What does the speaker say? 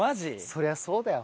そりゃそうだよ。